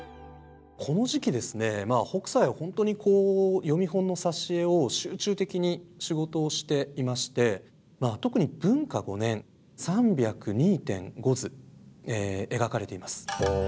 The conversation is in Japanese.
この時期ですね北斎は本当に読本の挿絵を集中的に仕事をしていまして特に文化５年３０２．５図描かれています。